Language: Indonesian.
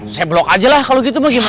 saya blok aja lah kalau gitu mau gimana